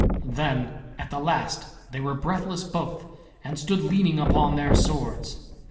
Then at the last they were breathless both, and stood leaning upon their swords.